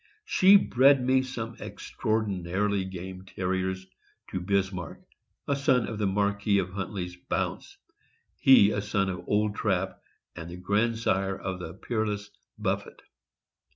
She bred me some extraordinarily game Terriers to Bismarck, a son of the Marquis of Hunt ley' s Bounce, he a son of Old Trap and the grandsire of the peerless Buffet.